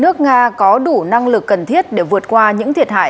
nước nga có đủ năng lực cần thiết để vượt qua những thiệt hại